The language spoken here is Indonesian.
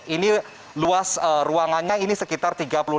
ini luas ruangannya ini sekitar tiga puluh lima